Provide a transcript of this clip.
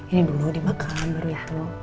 ini dulu dimakan baru ya